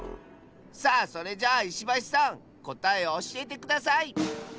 さあそれじゃあいしばしさんこたえをおしえてください！